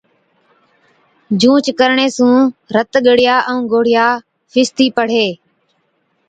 جھُونچ ڪرڻي سُون رت ڳڙِيا ائُون گوڙهِيا فِستِي پڙهي۔